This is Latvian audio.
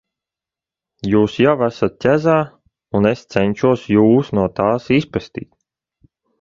Jūs jau esat ķezā, un es cenšos Jūs no tās izpestīt.